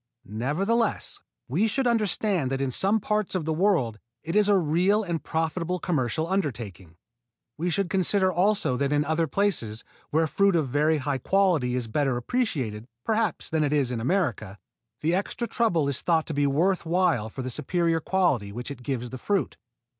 Nevertheless we should understand that in some parts of the world it is a real and profitable commercial undertaking. We should consider also that in other places, where fruit of very high quality is better appreciated, perhaps, than it is in America, the extra trouble is thought to be worth while for the superior quality which it gives the fruit.